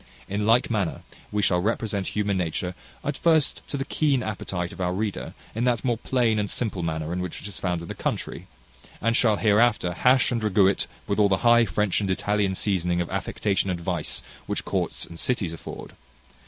In like manner, we shall represent human nature at first to the keen appetite of our reader, in that more plain and simple manner in which it is found in the country, and shall hereafter hash and ragoo it with all the high French and Italian seasoning of affectation and vice which courts and cities afford.